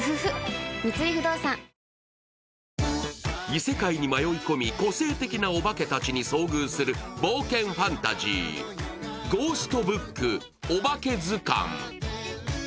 異世界に迷い込み個性的なおばけたちに遭遇する冒険ファンタジー、「ゴーストブックおばけずかん」。